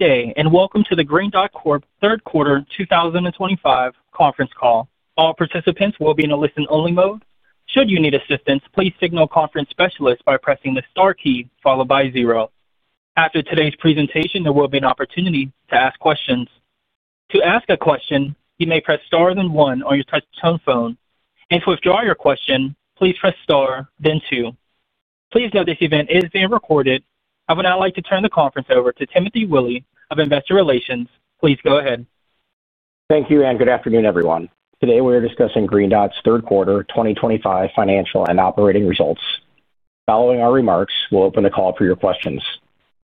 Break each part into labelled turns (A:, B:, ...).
A: Good day, and welcome to the Green Dot third quarter 2025 conference call. All participants will be in a listen-only mode. Should you need assistance, please signal conference specialists by pressing the star key followed by zero. After today's presentation, there will be an opportunity to ask questions. To ask a question, you may press star then one on your touch-tone phone. To withdraw your question, please press star, then two. Please note this event is being recorded. I would now like to turn the conference over to Timothy Willi of Investor Relations. Please go ahead.
B: Thank you, and good afternoon, everyone. Today we are discussing Green Dot's third quarter 2025 financial and operating results. Following our remarks, we'll open the call for your questions.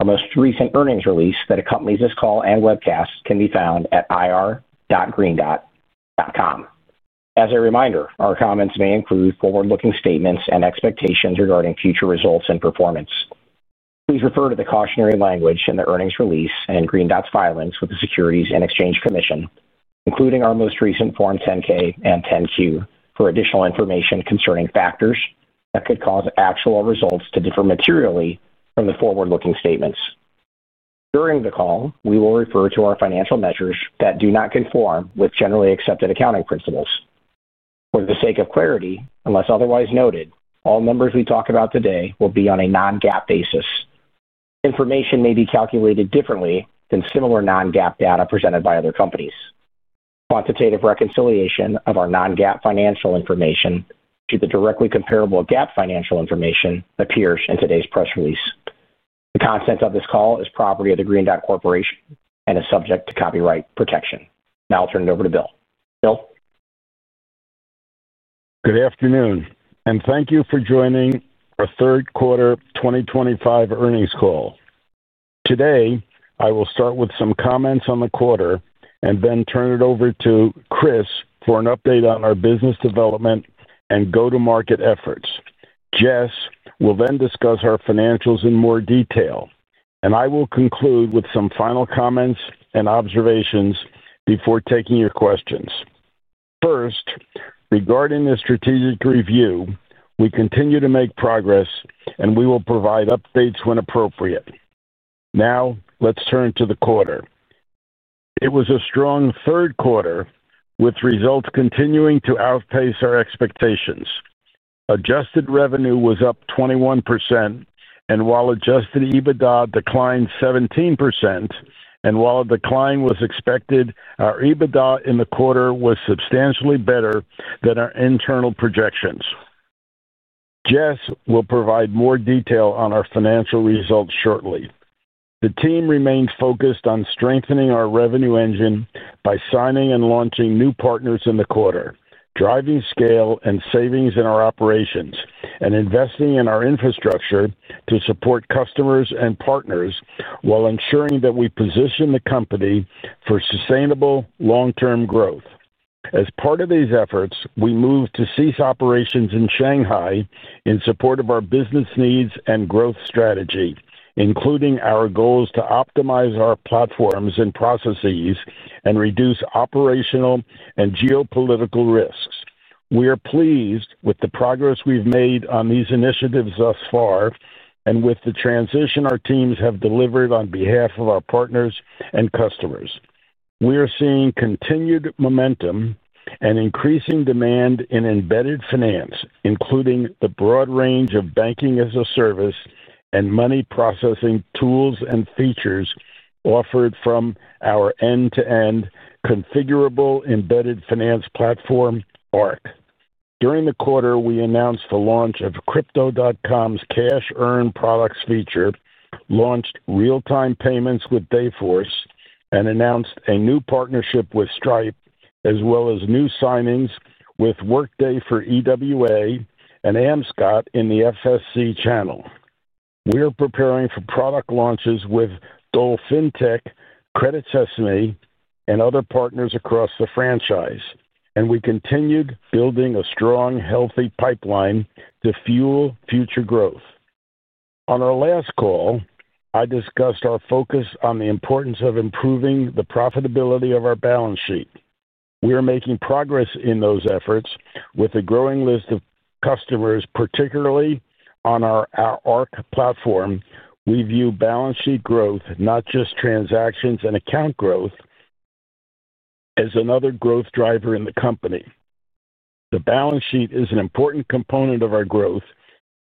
B: Our most recent earnings release that accompanies this call and webcast can be found at ir.greendot.com. As a reminder, our comments may include forward-looking statements and expectations regarding future results and performance. Please refer to the cautionary language in the earnings release and Green Dot's filings with the Securities and Exchange Commission, including our most recent Form 10-K and 10-Q, for additional information concerning factors that could cause actual results to differ materially from the forward-looking statements. During the call, we will refer to our financial measures that do not conform with generally accepted accounting principles. For the sake of clarity, unless otherwise noted, all numbers we talk about today will be on a non-GAAP basis. Information may be calculated differently than similar non-GAAP data presented by other companies. Quantitative reconciliation of our non-GAAP financial information to the directly comparable GAAP financial information appears in today's press release. The content of this call is property of the Green Dot Corporation and is subject to copyright protection. Now I'll turn it over to Bill. Bill.
C: Good afternoon, and thank you for joining our third quarter 2025 earnings call. Today, I will start with some comments on the quarter and then turn it over to Chris for an update on our business development and go-to-market efforts. Jess will then discuss our financials in more detail, and I will conclude with some final comments and observations before taking your questions. First, regarding the strategic review, we continue to make progress, and we will provide updates when appropriate. Now, let's turn to the quarter. It was a strong third quarter, with results continuing to outpace our expectations. Adjusted revenue was up 21%, and while adjusted EBITDA declined 17%, and while a decline was expected, our EBITDA in the quarter was substantially better than our internal projections. Jess will provide more detail on our financial results shortly. The team remains focused on strengthening our revenue engine by signing and launching new partners in the quarter, driving scale and savings in our operations, and investing in our infrastructure to support customers and partners while ensuring that we position the company for sustainable long-term growth. As part of these efforts, we moved to cease operations in Shanghai in support of our business needs and growth strategy, including our goals to optimize our platforms and processes and reduce operational and geopolitical risks. We are pleased with the progress we've made on these initiatives thus far and with the transition our teams have delivered on behalf of our partners and customers. We are seeing continued momentum and increasing demand in embedded finance, including the broad range of banking-as-a-service and money processing tools and features offered from our end-to-end configurable embedded finance platform, ARC. During the quarter, we announced the launch of Crypto.com's Cash Earn products feature, launched real-time payments with Dayforce, and announced a new partnership with Stripe, as well as new signings with Workday for EWA and Amscot in the FSC channel. We are preparing for product launches with DolFinTech, Credit Sesame, and other partners across the franchise, and we continued building a strong, healthy pipeline to fuel future growth. On our last call, I discussed our focus on the importance of improving the profitability of our balance sheet. We are making progress in those efforts with a growing list of customers, particularly on our ARC platform. We view balance sheet growth, not just transactions and account growth, as another growth driver in the company. The balance sheet is an important component of our growth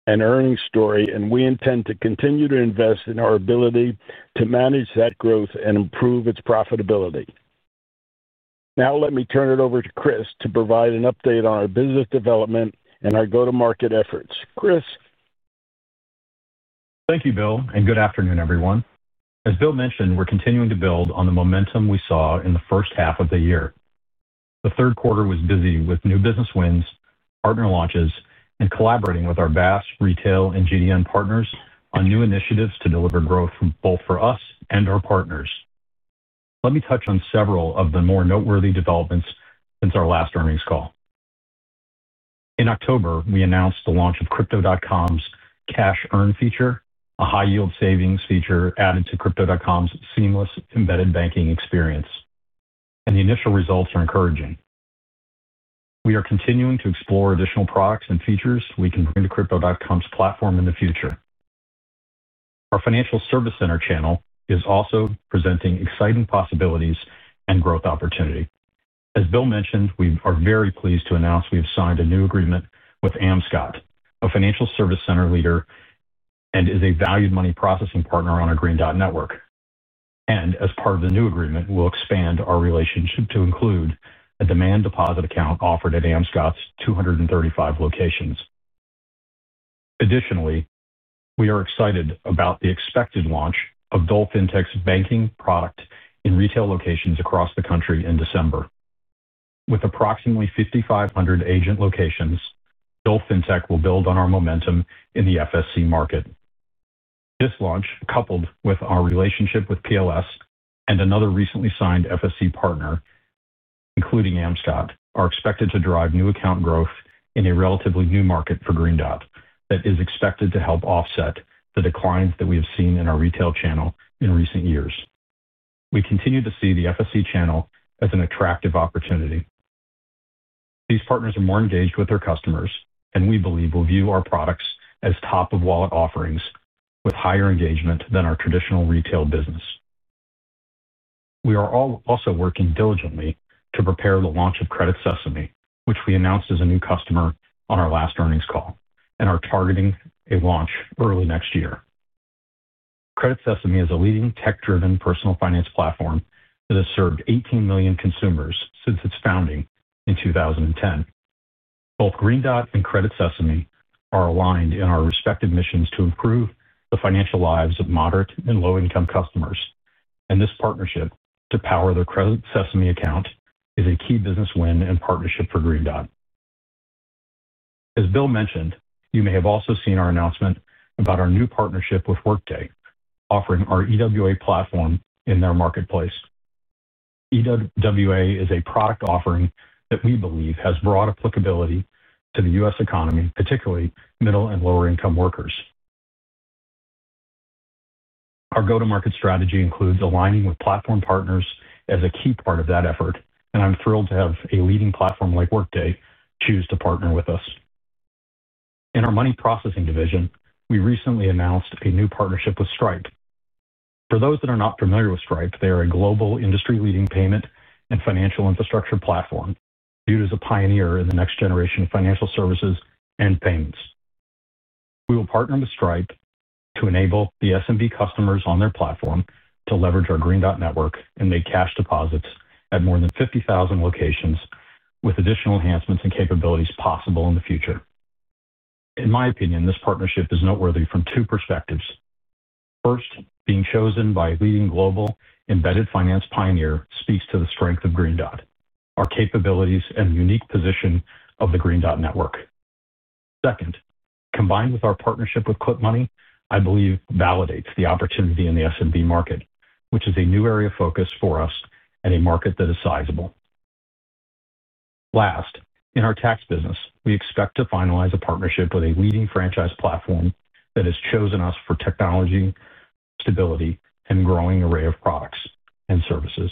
C: and earnings story, and we intend to continue to invest in our ability to manage that growth and improve its profitability. Now let me turn it over to Chris to provide an update on our business development and our go-to-market efforts. Chris.
D: Thank you, Bill, and good afternoon, everyone. As Bill mentioned, we're continuing to build on the momentum we saw in the first half of the year. The third quarter was busy with new business wins, partner launches, and collaborating with our BaaS, retail, and GDN partners on new initiatives to deliver growth both for us and our partners. Let me touch on several of the more noteworthy developments since our last earnings call. In October, we announced the launch of Crypto.com's Cash Earn feature, a high-yield savings feature added to Crypto.com's seamless embedded banking experience, and the initial results are encouraging. We are continuing to explore additional products and features we can bring to Crypto.com's platform in the future. Our financial service center channel is also presenting exciting possibilities and growth opportunity. As Bill mentioned, we are very pleased to announce we have signed a new agreement with Amscot, a financial service center leader and is a valued money processing partner on our Green Dot Network. As part of the new agreement, we'll expand our relationship to include a demand deposit account offered at Amscot's 235 locations. Additionally, we are excited about the expected launch of DolFinTech's banking product in retail locations across the country in December. With approximately 5,500 agent locations, DolFinTech will build on our momentum in the FSC market. This launch, coupled with our relationship with PLS and another recently signed FSC partner, including Amscot, are expected to drive new account growth in a relatively new market for Green Dot that is expected to help offset the declines that we have seen in our retail channel in recent years. We continue to see the FSC channel as an attractive opportunity. These partners are more engaged with their customers, and we believe we'll view our products as top-of-wallet offerings with higher engagement than our traditional retail business. We are also working diligently to prepare the launch of Credit Sesame, which we announced as a new customer on our last earnings call, and are targeting a launch early next year. Credit Sesame is a leading tech-driven personal finance platform that has served 18 million consumers since its founding in 2010. Both Green Dot and Credit Sesame are aligned in our respective missions to improve the financial lives of moderate and low-income customers, and this partnership to power their Credit Sesame account is a key business win and partnership for Green Dot. As Bill mentioned, you may have also seen our announcement about our new partnership with Workday, offering our EWA platform in their marketplace. EWA is a product offering that we believe has broad applicability to the U.S. economy, particularly middle and lower-income workers. Our go-to-market strategy includes aligning with platform partners as a key part of that effort, and I'm thrilled to have a leading platform like Workday choose to partner with us. In our money processing division, we recently announced a new partnership with Stripe. For those that are not familiar with Stripe, they are a global industry-leading payment and financial infrastructure platform viewed as a pioneer in the next generation of financial services and payments. We will partner with Stripe to enable the SMB customers on their platform to leverage our Green Dot Network and make cash deposits at more than 50,000 locations, with additional enhancements and capabilities possible in the future. In my opinion, this partnership is noteworthy from two perspectives. First, being chosen by a leading global embedded finance pioneer speaks to the strength of Green Dot, our capabilities, and the unique position of the Green Dot Network. Second, combined with our partnership with Clip Money, I believe validates the opportunity in the SMB market, which is a new area of focus for us and a market that is sizable. Last, in our tax business, we expect to finalize a partnership with a leading franchise platform that has chosen us for technology, stability, and a growing array of products and services.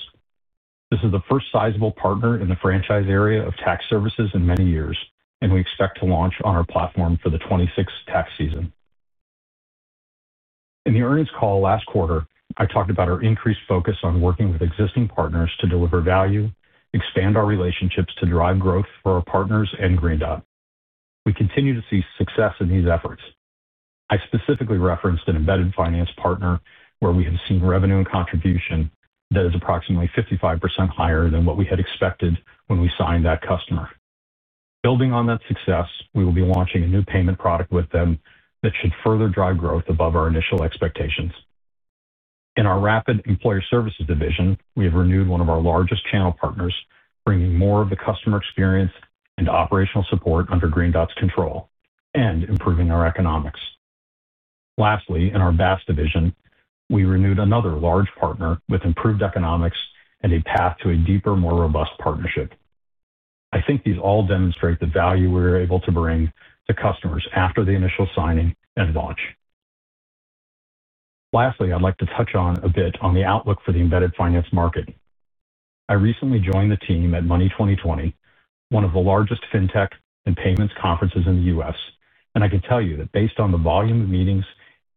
D: This is the first sizable partner in the franchise area of tax services in many years, and we expect to launch on our platform for the 2026 tax season. In the earnings call last quarter, I talked about our increased focus on working with existing partners to deliver value, expand our relationships to drive growth for our partners and Green Dot. We continue to see success in these efforts. I specifically referenced an embedded finance partner where we have seen revenue and contribution that is approximately 55% higher than what we had expected when we signed that customer. Building on that success, we will be launching a new payment product with them that should further drive growth above our initial expectations. In our rapid! Employer Services division, we have renewed one of our largest channel partners, bringing more of the customer experience and operational support under Green Dot's control and improving our economics. Lastly, in our BaaS division, we renewed another large partner with improved economics and a path to a deeper, more robust partnership. I think these all demonstrate the value we are able to bring to customers after the initial signing and launch. Lastly, I'd like to touch on a bit on the outlook for the embedded finance market. I recently joined the team at Money20/20, one of the largest fintech and payments conferences in the U.S., and I can tell you that based on the volume of meetings,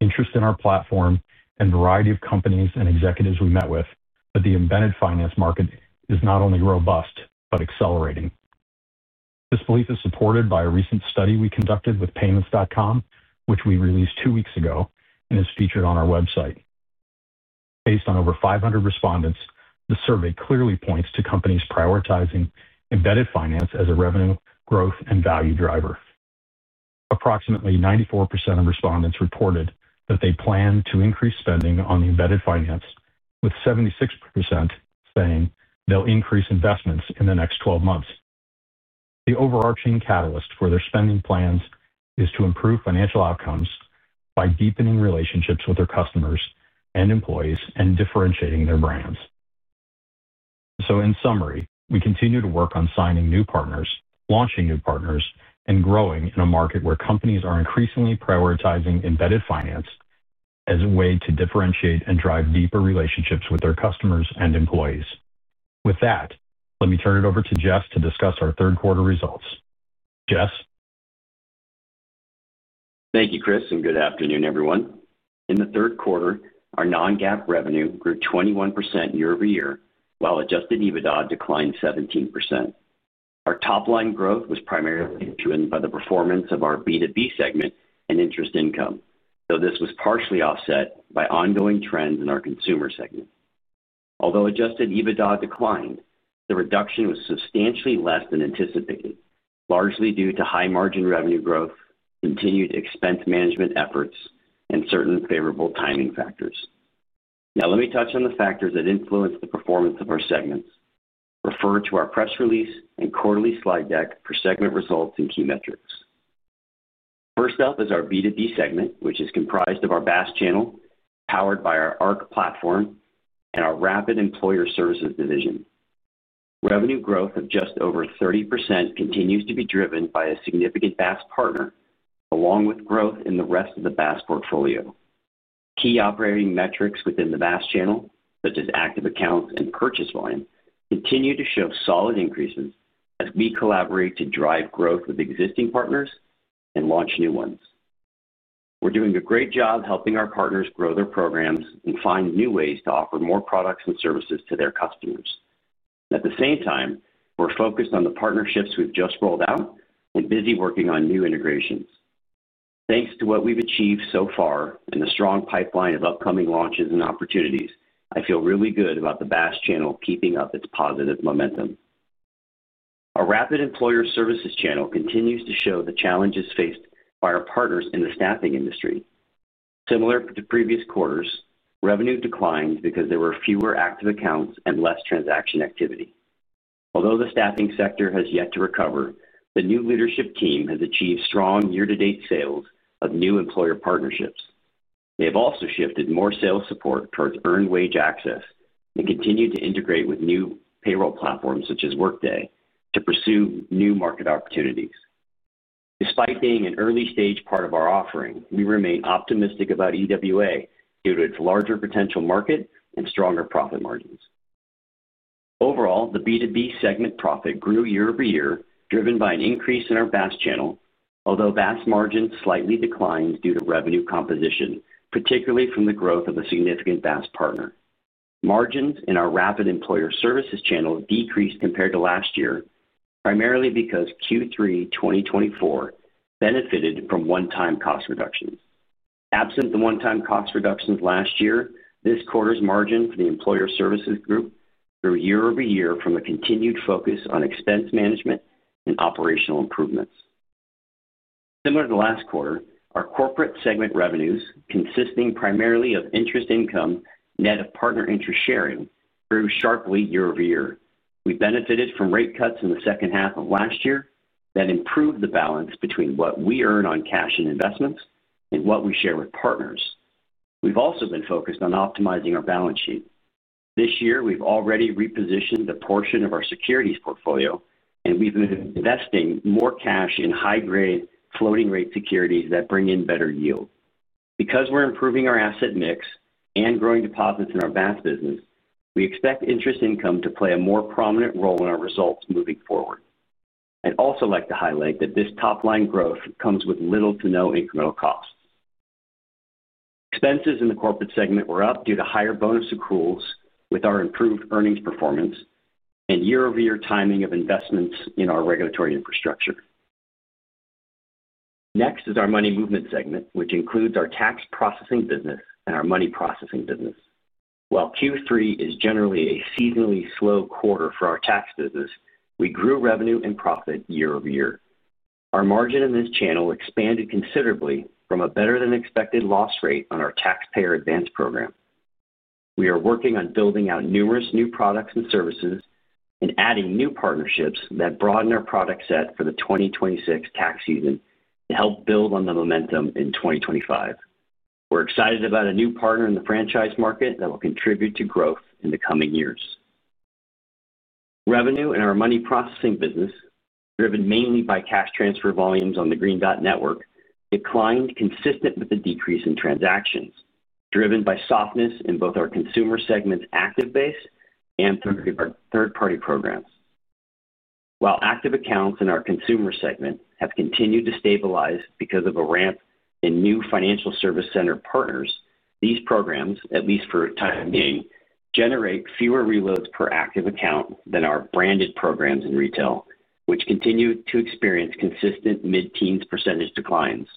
D: interest in our platform, and variety of companies and executives we met with, the embedded finance market is not only robust but accelerating. This belief is supported by a recent study we conducted with PYMNTS.com, which we released two weeks ago and is featured on our website. Based on over 500 respondents, the survey clearly points to companies prioritizing embedded finance as a revenue, growth, and value driver. Approximately 94% of respondents reported that they plan to increase spending on embedded finance, with 76% saying they'll increase investments in the next 12 months. The overarching catalyst for their spending plans is to improve financial outcomes by deepening relationships with their customers and employees and differentiating their brands. In summary, we continue to work on signing new partners, launching new partners, and growing in a market where companies are increasingly prioritizing embedded finance as a way to differentiate and drive deeper relationships with their customers and employees. With that, let me turn it over to Jess to discuss our third quarter results. Jess.
E: Thank you, Chris, and good afternoon, everyone. In the third quarter, our non-GAAP revenue grew 21% year-over-year, while adjusted EBITDA declined 17%. Our top-line growth was primarily driven by the performance of our B2B segment and interest income, though this was partially offset by ongoing trends in our Consumer segment. Although adjusted EBITDA declined, the reduction was substantially less than anticipated, largely due to high-margin revenue growth, continued expense management efforts, and certain favorable timing factors. Now, let me touch on the factors that influence the performance of our segments. Refer to our press release and quarterly slide deck for segment results and key metrics. First up is our B2B segment, which is comprised of our BaaS channel powered by our ARC platform and our rapid! Employer Services division. Revenue growth of just over 30% continues to be driven by a significant BaaS partner, along with growth in the rest of the BaaS portfolio. Key operating metrics within the BaaS channel, such as active accounts and purchase volume, continue to show solid increases as we collaborate to drive growth with existing partners and launch new ones. We're doing a great job helping our partners grow their programs and find new ways to offer more products and services to their customers. At the same time, we're focused on the partnerships we've just rolled out and busy working on new integrations. Thanks to what we've achieved so far and the strong pipeline of upcoming launches and opportunities, I feel really good about the BaaS channel keeping up its positive momentum. Our rapid! Employer Services channel continues to show the challenges faced by our partners in the staffing industry. Similar to previous quarters, revenue declined because there were fewer active accounts and less transaction activity. Although the staffing sector has yet to recover, the new leadership team has achieved strong year-to-date sales of new employer partnerships. They have also shifted more sales support towards earned wage access and continue to integrate with new payroll platforms such as Workday to pursue new market opportunities. Despite being an early-stage part of our offering, we remain optimistic about EWA due to its larger potential market and stronger profit margins. Overall, the B2B segment profit grew year-over-year, driven by an increase in our BaaS channel, although BaaS margins slightly declined due to revenue composition, particularly from the growth of a significant BaaS partner. Margins in our rapid! Employer Services channel decreased compared to last year, primarily because Q3 2024 benefited from one-time cost reductions. Absent the one-time cost reductions last year, this quarter's margin for the employer services group grew year-over-year from a continued focus on expense management and operational improvements. Similar to last quarter, our Corporate segment revenues, consisting primarily of interest income net of partner interest sharing, grew sharply year-over-year. We benefited from rate cuts in the second half of last year that improved the balance between what we earn on cash and investments and what we share with partners. We've also been focused on optimizing our balance sheet. This year, we've already repositioned a portion of our securities portfolio, and we've been investing more cash in high-grade floating-rate securities that bring in better yield. Because we're improving our asset mix and growing deposits in our BaaS business, we expect interest income to play a more prominent role in our results moving forward. I'd also like to highlight that this top-line growth comes with little to no incremental costs. Expenses in the Corporate segment were up due to higher bonus accruals with our improved earnings performance and year-over-year timing of investments in our regulatory infrastructure. Next is our Money Movement segment, which includes our tax processing business and our money processing business. While Q3 is generally a seasonally slow quarter for our tax business, we grew revenue and profit year-over-year. Our margin in this channel expanded considerably from a better-than-expected loss rate on our taxpayer advance program. We are working on building out numerous new products and services and adding new partnerships that broaden our product set for the 2026 tax season to help build on the momentum in 2025. We're excited about a new partner in the franchise market that will contribute to growth in the coming years. Revenue in our money processing business, driven mainly by cash transfer volumes on the Green Dot Network, declined consistent with the decrease in transactions, driven by softness in both our Consumer segment's active base and third-party programs. While active accounts in our Consumer segment have continued to stabilize because of a ramp in new financial service center partners, these programs, at least for the time being, generate fewer reloads per active account than our branded programs in retail, which continue to experience consistent mid-teens percentage declines.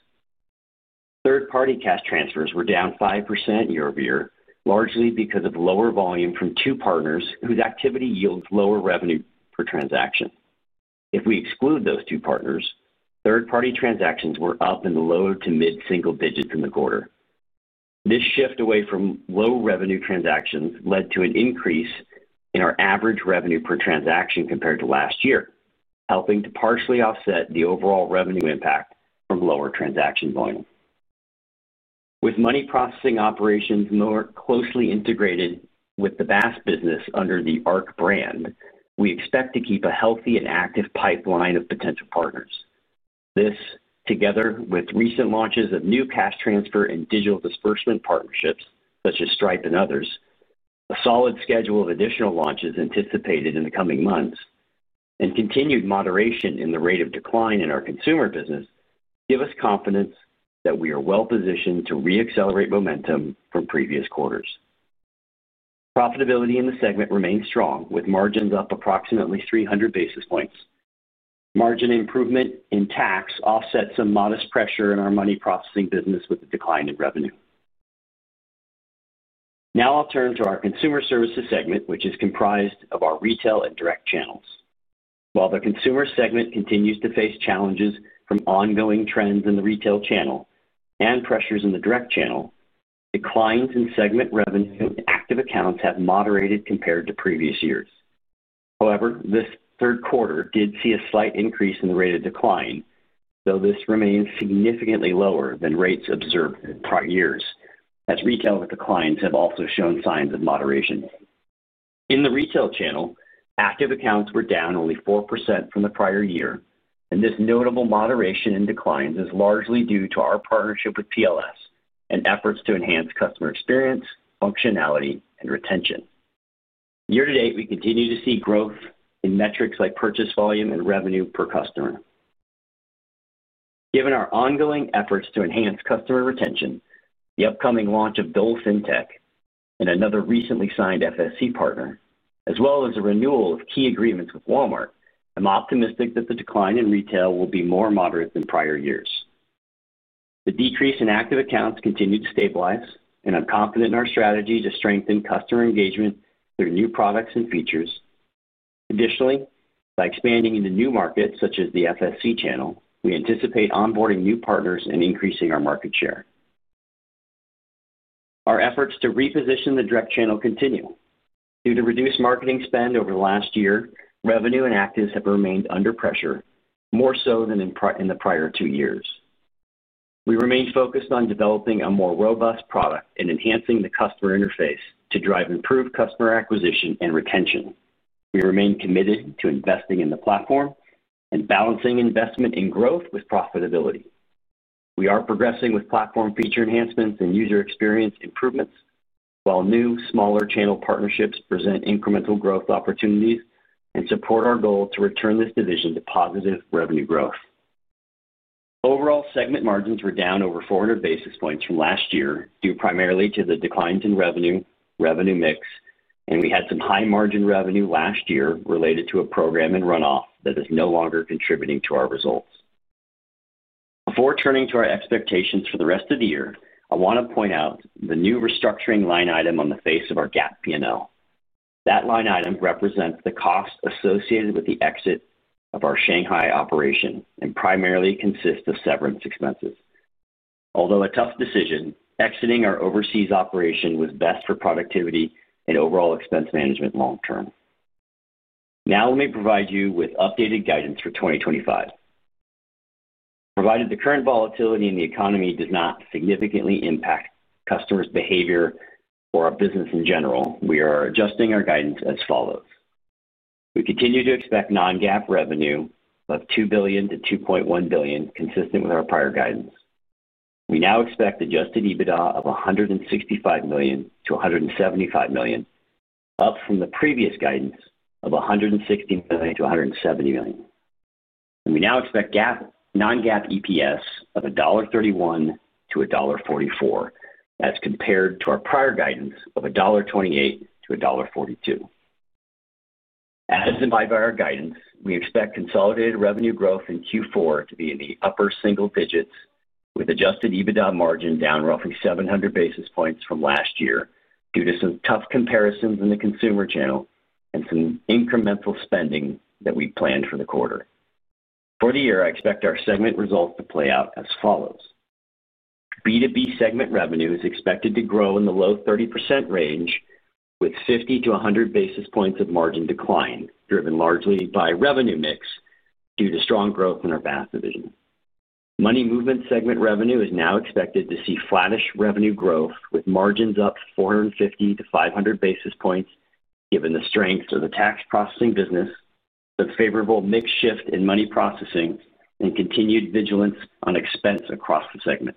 E: Third-party cash transfers were down 5% year-over-year, largely because of lower volume from two partners whose activity yields lower revenue per transaction. If we exclude those two partners, third-party transactions were up in the low to mid-single digits in the quarter. This shift away from low revenue transactions led to an increase in our average revenue per transaction compared to last year, helping to partially offset the overall revenue impact from lower transaction volume. With money processing operations more closely integrated with the BaaS business under the ARC brand, we expect to keep a healthy and active pipeline of potential partners. This, together with recent launches of new cash transfer and digital disbursement partnerships such as Stripe and others, a solid schedule of additional launches anticipated in the coming months, and continued moderation in the rate of decline in our Consumer business, give us confidence that we are well-positioned to re-accelerate momentum from previous quarters. Profitability in the segment remains strong, with margins up approximately 300 basis points. Margin improvement in tax offsets some modest pressure in our money processing business with the decline in revenue. Now I'll turn to our Consumer Services segment, which is comprised of our retail and direct channels. While the Consumer segment continues to face challenges from ongoing trends in the retail channel and pressures in the direct channel, declines in segment revenue and active accounts have moderated compared to previous years. However, this third quarter did see a slight increase in the rate of decline, though this remains significantly lower than rates observed in prior years, as retail declines have also shown signs of moderation. In the retail channel, active accounts were down only 4% from the prior year, and this notable moderation in declines is largely due to our partnership with PLS and efforts to enhance customer experience, functionality, and retention. Year-to-date, we continue to see growth in metrics like purchase volume and revenue per customer. Given our ongoing efforts to enhance customer retention, the upcoming launch of DolFinTech and another recently signed FSC partner, as well as the renewal of key agreements with Walmart, I'm optimistic that the decline in retail will be more moderate than prior years. The decrease in active accounts continues to stabilize, and I'm confident in our strategy to strengthen customer engagement through new products and features. Additionally, by expanding into new markets such as the FSC channel, we anticipate onboarding new partners and increasing our market share. Our efforts to reposition the direct channel continue. Due to reduced marketing spend over the last year, revenue and active have remained under pressure, more so than in the prior two years. We remain focused on developing a more robust product and enhancing the customer interface to drive improved customer acquisition and retention. We remain committed to investing in the platform and balancing investment in growth with profitability. We are progressing with platform feature enhancements and user experience improvements, while new smaller channel partnerships present incremental growth opportunities and support our goal to return this division to positive revenue growth. Overall, segment margins were down over 400 basis points from last year due primarily to the declines in revenue, revenue mix, and we had some high-margin revenue last year related to a program and runoff that is no longer contributing to our results. Before turning to our expectations for the rest of the year, I want to point out the new restructuring line item on the face of our GAAP P&L. That line item represents the cost associated with the exit of our Shanghai operation and primarily consists of severance expenses. Although a tough decision, exiting our overseas operation was best for productivity and overall expense management long-term. Now let me provide you with updated guidance for 2025. Provided the current volatility in the economy does not significantly impact customers' behavior or our business in general, we are adjusting our guidance as follows. We continue to expect non-GAAP revenue of $2 billion-$2.1 billion, consistent with our prior guidance. We now expect adjusted EBITDA of $165 million-$175 million, up from the previous guidance of $160 million-$170 million. We now expect non-GAAP EPS of $1.31-$1.44, as compared to our prior guidance of $1.28-$1.42. As 2025 in our guidance, we expect consolidated revenue growth in Q4 to be in the upper single digits, with adjusted EBITDA margin down roughly 700 basis points from last year due to some tough comparisons in the Consumer channel and some incremental spending that we planned for the quarter. For the year, I expect our segment results to play out as follows. B2B segment revenue is expected to grow in the low 30% range, with 50-100 basis points of margin decline, driven largely by revenue mix due to strong growth in our BaaS division. Money Movement segment revenue is now expected to see flattish revenue growth, with margins up 450-500 basis points, given the strength of the tax processing business, the favorable mix shift in money processing, and continued vigilance on expense across the segment.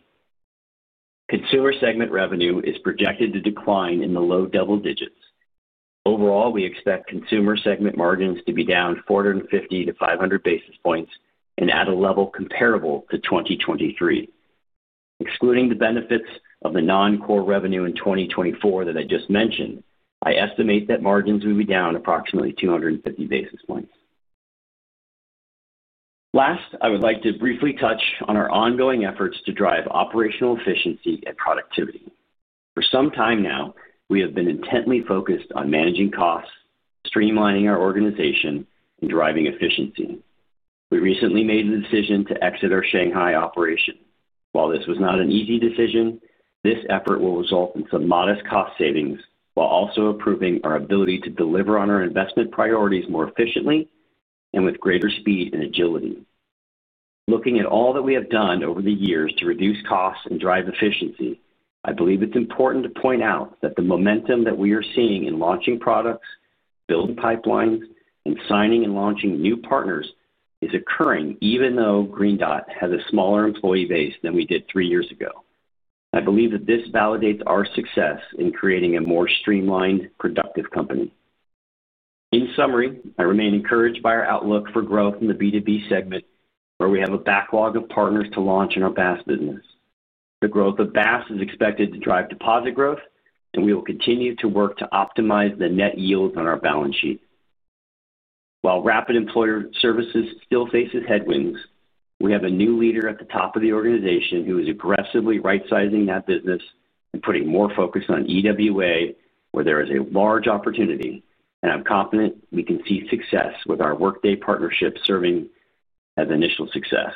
E: Consumer segment revenue is projected to decline in the low double digits. Overall, we expect Consumer segment margins to be down 450-500 basis points and at a level comparable to 2023. Excluding the benefits of the non-core revenue in 2024 that I just mentioned, I estimate that margins will be down approximately 250 basis points. Last, I would like to briefly touch on our ongoing efforts to drive operational efficiency and productivity. For some time now, we have been intently focused on managing costs, streamlining our organization, and driving efficiency. We recently made the decision to exit our Shanghai operation. While this was not an easy decision, this effort will result in some modest cost savings while also improving our ability to deliver on our investment priorities more efficiently and with greater speed and agility. Looking at all that we have done over the years to reduce costs and drive efficiency, I believe it's important to point out that the momentum that we are seeing in launching products, building pipelines, and signing and launching new partners is occurring even though Green Dot has a smaller employee base than we did three years ago. I believe that this validates our success in creating a more streamlined, productive company. In summary, I remain encouraged by our outlook for growth in the B2B segment, where we have a backlog of partners to launch in our BaaS business. The growth of BaaS is expected to drive deposit growth, and we will continue to work to optimize the net yield on our balance sheet. While rapid! employer services still faces headwinds, we have a new leader at the top of the organization who is aggressively right-sizing that business and putting more focus on EWA, where there is a large opportunity, and I'm confident we can see success with our Workday partnership serving as initial success.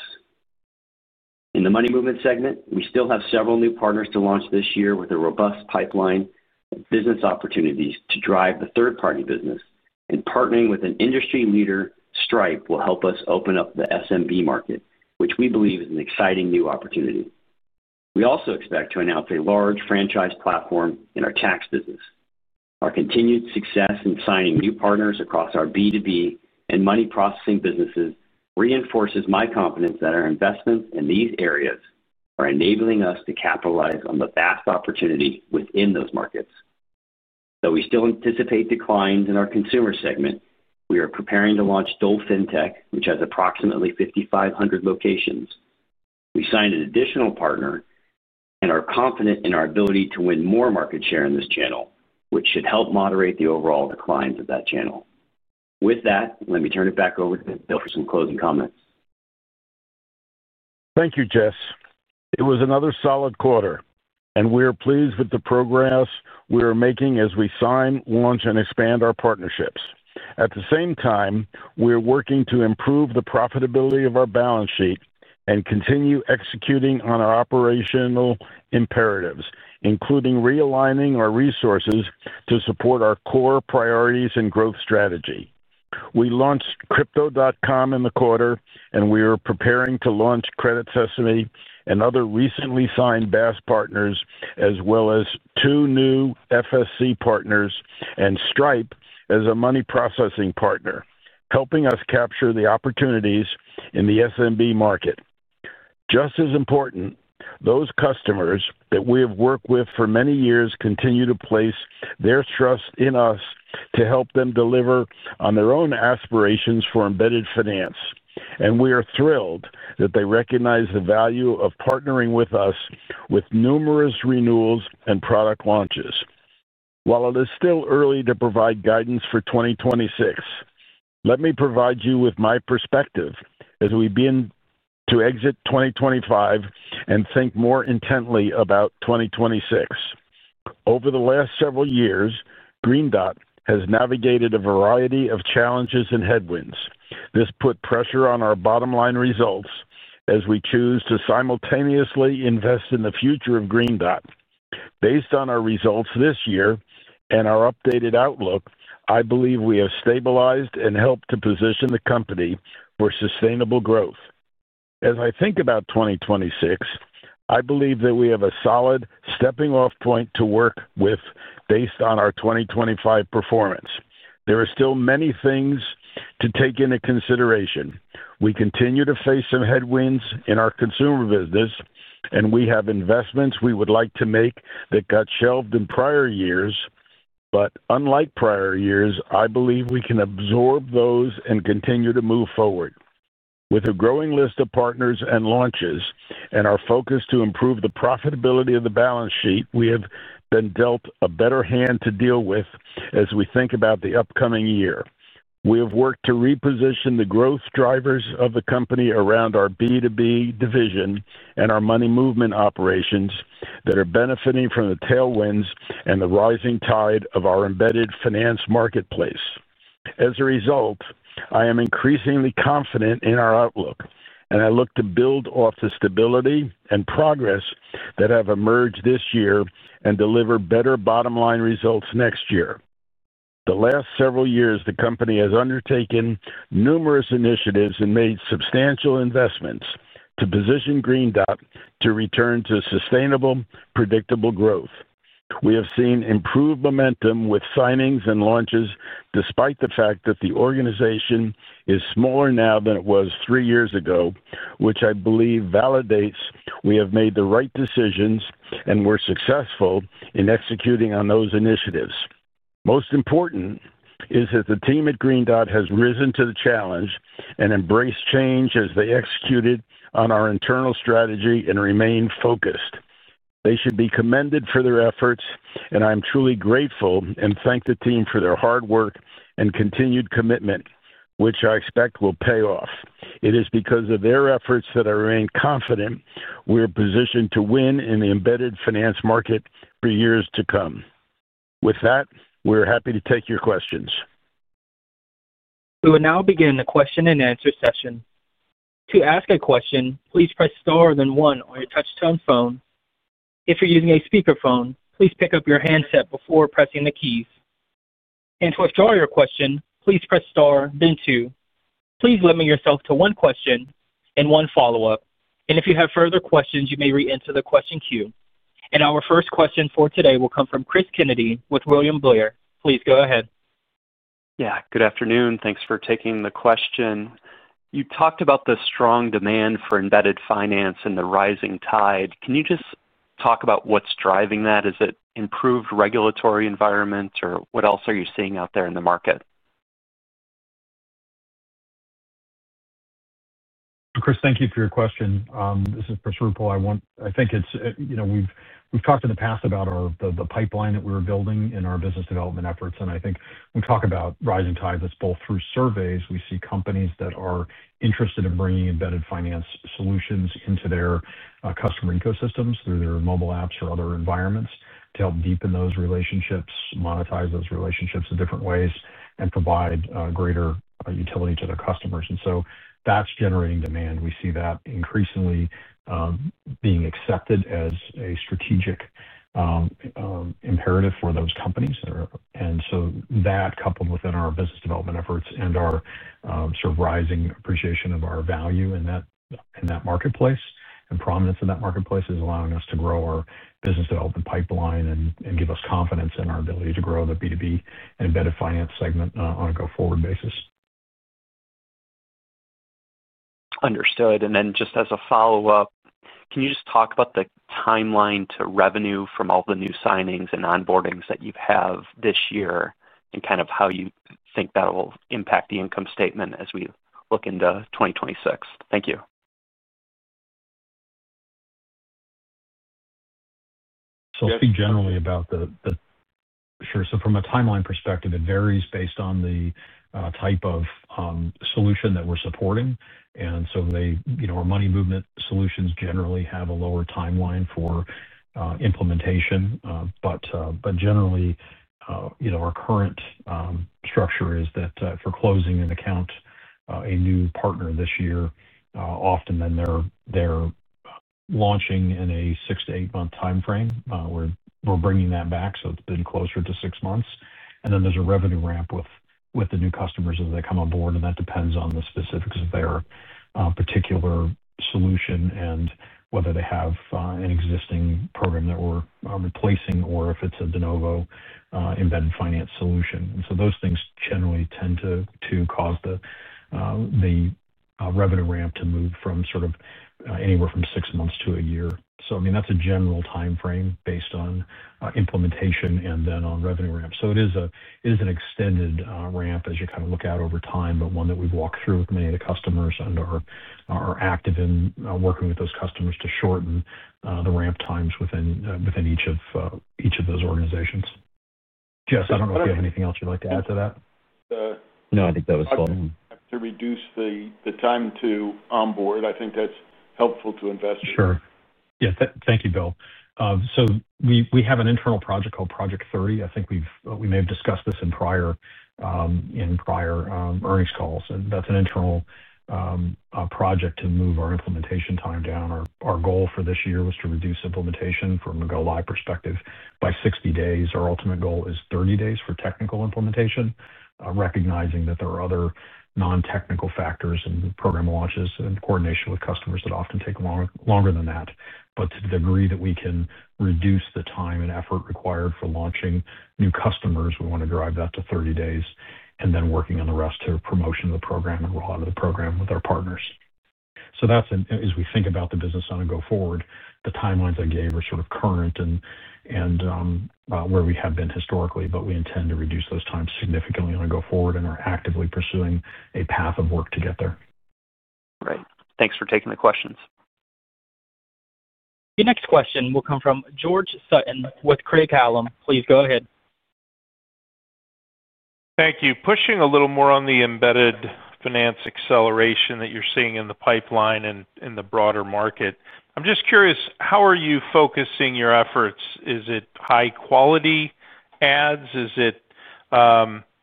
E: In the Money Movement segment, we still have several new partners to launch this year with a robust pipeline of business opportunities to drive the third-party business, and partnering with an industry leader, Stripe, will help us open up the SMB market, which we believe is an exciting new opportunity. We also expect to announce a large franchise platform in our tax business. Our continued success in signing new partners across our B2B and money processing businesses reinforces my confidence that our investments in these areas are enabling us to capitalize on the vast opportunity within those markets. Though we still anticipate declines in our Consumer segment, we are preparing to launch DolFinTech, which has approximately 5,500 locations. We signed an additional partner and are confident in our ability to win more market share in this channel, which should help moderate the overall declines of that channel. With that, let me turn it back over to Bill for some closing comments.
C: Thank you, Jess. It was another solid quarter, and we are pleased with the progress we are making as we sign, launch, and expand our partnerships. At the same time, we are working to improve the profitability of our balance sheet and continue executing on our operational imperatives, including realigning our resources to support our core priorities and growth strategy. We launched Crypto.com in the quarter, and we are preparing to launch Credit Sesame and other recently signed BaaS partners, as well as two new FSC partners and Stripe as a money processing partner, helping us capture the opportunities in the SMB market. Just as important, those customers that we have worked with for many years continue to place their trust in us to help them deliver on their own aspirations for embedded finance, and we are thrilled that they recognize the value of partnering with us with numerous renewals and product launches. While it is still early to provide guidance for 2026, let me provide you with my perspective as we begin to exit 2025 and think more intently about 2026. Over the last several years, Green Dot has navigated a variety of challenges and headwinds. This put pressure on our bottom-line results as we choose to simultaneously invest in the future of Green Dot. Based on our results this year and our updated outlook, I believe we have stabilized and helped to position the company for sustainable growth. As I think about 2026, I believe that we have a solid stepping-off point to work with based on our 2025 performance. There are still many things to take into consideration. We continue to face some headwinds in our Consumer business, and we have investments we would like to make that got shelved in prior years, but unlike prior years, I believe we can absorb those and continue to move forward. With a growing list of partners and launches and our focus to improve the profitability of the balance sheet, we have been dealt a better hand to deal with as we think about the upcoming year. We have worked to reposition the growth drivers of the company around our B2B division and our Money Movement operations that are benefiting from the tailwinds and the rising tide of our embedded finance marketplace. As a result, I am increasingly confident in our outlook, and I look to build off the stability and progress that have emerged this year and deliver better bottom-line results next year. The last several years, the company has undertaken numerous initiatives and made substantial investments to position Green Dot to return to sustainable, predictable growth. We have seen improved momentum with signings and launches despite the fact that the organization is smaller now than it was three years ago, which I believe validates we have made the right decisions and were successful in executing on those initiatives. Most important is that the team at Green Dot has risen to the challenge and embraced change as they executed on our internal strategy and remained focused. They should be commended for their efforts, and I am truly grateful and thank the team for their hard work and continued commitment, which I expect will pay off. It is because of their efforts that I remain confident we are positioned to win in the embedded finance market for years to come. With that, we are happy to take your questions.
A: We will now begin the question-and-answer session. To ask a question, please press star then one on your touch-tone phone. If you're using a speakerphone, please pick up your handset before pressing the keys. To withdraw your question, please press star then two. Please limit yourself to one question and one follow-up. If you have further questions, you may re-enter the question queue. Our first question for today will come from Chris Kennedy with William Blair. Please go ahead.
F: Yeah. Good afternoon. Thanks for taking the question. You talked about the strong demand for embedded finance and the rising tide. Can you just talk about what's driving that? Is it improved regulatory environments, or what else are you seeing out there in the market?
D: Chris, thank you for your question. This is Chris Ruppel. I think we've talked in the past about the pipeline that we were building in our business development efforts, and I think we talk about rising tides that's both through surveys. We see companies that are interested in bringing embedded finance solutions into their customer ecosystems through their mobile apps or other environments to help deepen those relationships, monetize those relationships in different ways, and provide greater utility to their customers. That is generating demand. We see that increasingly being accepted as a strategic imperative for those companies. That, coupled with our business development efforts and our rising appreciation of our value in that marketplace and prominence in that marketplace, is allowing us to grow our business development pipeline and give us confidence in our ability to grow the B2B and embedded finance segment on a go-forward basis.
F: Understood. Just as a follow-up, can you just talk about the timeline to revenue from all the new signings and onboardings that you have this year and kind of how you think that will impact the income statement as we look into 2026? Thank you.
D: I think generally about the. Sure. From a timeline perspective, it varies based on the type of solution that we're supporting. Our Money Movement solutions generally have a lower timeline for implementation. Generally, our current structure is that for closing account a new partner this year, often then they're launching in a six to eight-month timeframe. We're bringing that back, so it's been closer to six months. There is a revenue ramp with the new customers as they come on board, and that depends on the specifics of their particular solution and whether they have an existing program that we're replacing or if it's a de novo embedded finance solution. Those things generally tend to cause the revenue ramp to move from anywhere from six months to a year. I mean, that's a general timeframe based on implementation and then on revenue ramp. It is an extended ramp as you kind of look out over time, but one that we've walked through with many of the customers and are active in working with those customers to shorten the ramp times within each of those organizations. Jess, I don't know if you have anything else you'd like to add to that.
E: No, I think that was helpful.
C: To reduce the time to onboard I think that's helpful to investor.
D: Sure. Yeah. Thank you, Bill. So we have an internal project called Project 30. I think we may have discussed this in prior earnings calls. And that's an internal project to move our implementation time down. Our goal for this year was to reduce implementation from a go-live perspective by 60 days. Our ultimate goal is 30 days for technical implementation, recognizing that there are other non-technical factors in program launches and coordination with customers that often take longer than that. But to the degree that we can reduce the time and effort required for launching new customers, we want to drive that to 30 days and then working on the rest to promotion of the program and rollout of the program with our partners. As we think about the business on a go-forward, the timelines I gave are sort of current and where we have been historically, but we intend to reduce those times significantly on a go-forward and are actively pursuing a path of work to get there.
F: Great. Thanks for taking the questions.
A: The next question will come from George Sutton with Craig-Hallum. Please go ahead.
G: Thank you. Pushing a little more on the embedded finance acceleration that you're seeing in the pipeline and in the broader market. I'm just curious, how are you focusing your efforts? Is it high-quality ads?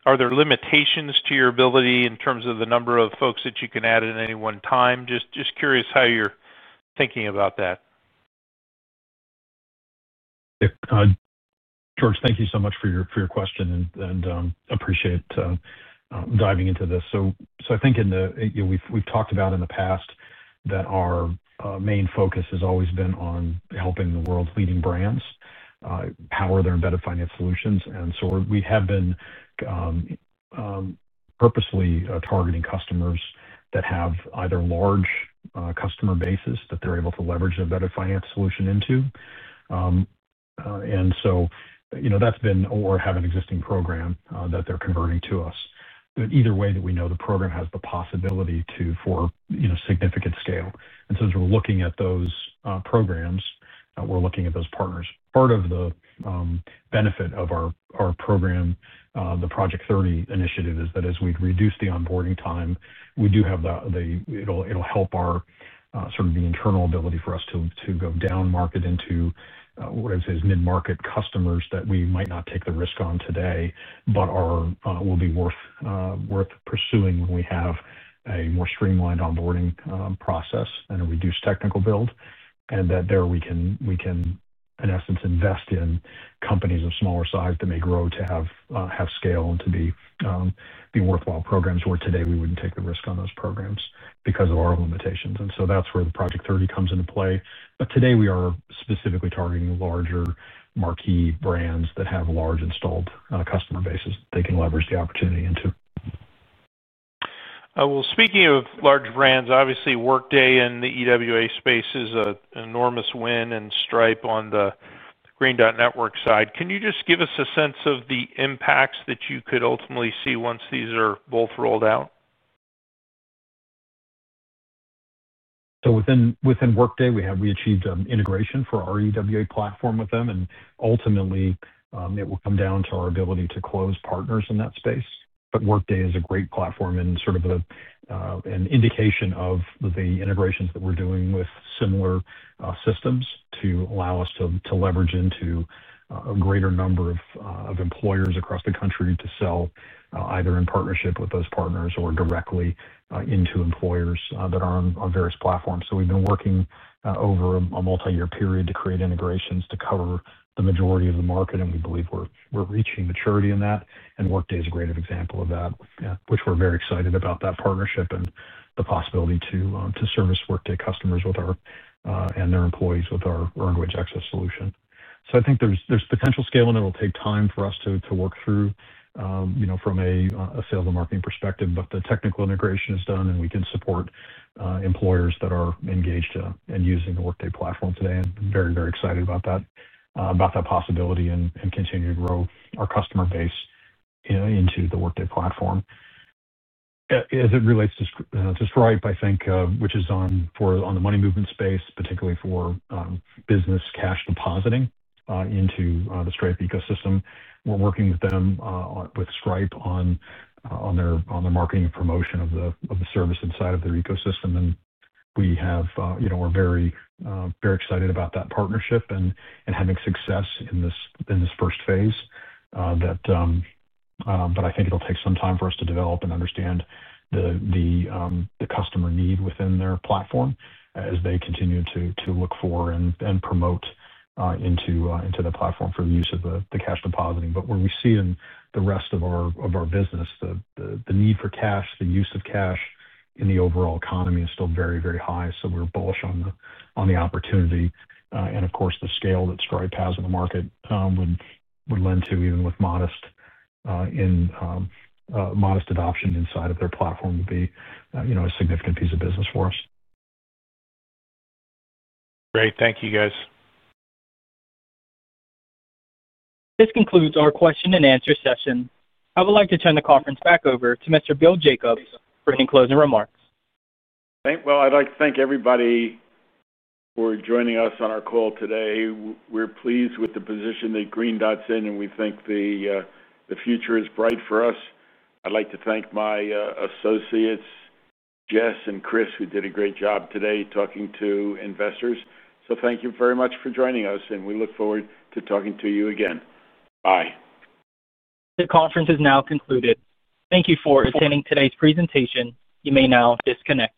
G: Are there limitations to your ability in terms of the number of folks that you can add at any one time? Just curious how you're thinking about that.
D: George, thank you so much for your question, and I appreciate diving into this. I think we've talked about in the past that our main focus has always been on helping the world's leading brands power their embedded finance solutions. We have been purposely targeting customers that have either large customer bases that they're able to leverage an embedded finance solution into, or have an existing program that they're converting to us. Either way, we know the program has the possibility for significant scale. As we're looking at those programs, we're looking at those partners. Part of the benefit of our program, the Project 30 initiative, is that as we've reduced the onboarding time, we do have the. It'll help sort of the internal ability for us to go down market into what I'd say is mid-market customers that we might not take the risk on today but will be worth pursuing when we have a more streamlined onboarding process and a reduced technical build. That there we can, in essence, invest in companies of smaller size that may grow to have scale and to be worthwhile programs where today we wouldn't take the risk on those programs because of our limitations. That's where the Project 30 comes into play. Today, we are specifically targeting larger marquee brands that have large installed customer bases that they can leverage the opportunity into.
G: Speaking of large brands, obviously, Workday in the EWA space is an enormous win and Stripe on the Green Dot Network side. Can you just give us a sense of the impacts that you could ultimately see once these are both rolled out?
D: Within Workday, we achieved integration for our EWA platform with them. Ultimately, it will come down to our ability to close partners in that space. Workday is a great platform and sort of an indication of the integrations that we're doing with similar systems to allow us to leverage into a greater number of employers across the country to sell either in partnership with those partners or directly into employers that are on various platforms. We have been working over a multi-year period to create integrations to cover the majority of the market, and we believe we're reaching maturity in that. Workday is a great example of that, which we're very excited about, that partnership and the possibility to service Workday customers and their employees with our earned wage access solution. I think there's potential scale, and it'll take time for us to work through from a sales and marketing perspective. The technical integration is done, and we can support employers that are engaged and using the Workday platform today. I'm very, very excited about that possibility and continuing to grow our customer base into the Workday platform. As it relates to Stripe, which is on the Money Movement space, particularly for business cash depositing into the Stripe ecosystem, we're working with them, with Stripe, on their marketing and promotion of the service inside of their ecosystem. We're very excited about that partnership and having success in this first phase. I think it'll take some time for us to develop and understand the customer need within their platform as they continue to look for and promote into the platform for the use of the cash depositing. Where we see in the rest of our business, the need for cash, the use of cash in the overall economy is still very, very high. We are bullish on the opportunity. Of course, the scale that Stripe has in the market would lend to, even with modest adoption inside of their platform, a significant piece of business for us.
G: Great. Thank you, guys.
A: This concludes our question-and-answer session. I would like to turn the conference back over to Mr. Bill Jacobs for any closing remarks. I would like to thank everybody for joining us on our call today.
C: We're pleased with the position that Green Dot's in, and we think the future is bright for us. I'd like to thank my associates, Jess and Chris, who did a great job today talking to investors. Thank you very much for joining us, and we look forward to talking to you again. Bye. The conference is now concluded. Thank you for attending today's presentation. You may now disconnect.